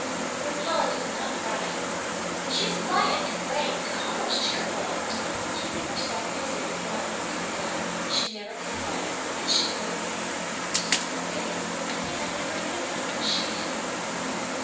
But Polly does not cry. She is quiet and brave and almost cheerful all the time, keeping herself busy with what needs to be done; she never complains, and she looks oh, so pretty! I think I never knew how much she had in her before."